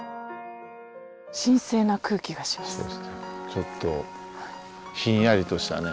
ちょっとひんやりとしたね。